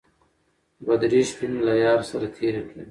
دوه درې شپې مې له ياره سره تېرې کړې.